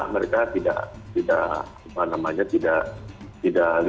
mereka tidak hibur nasional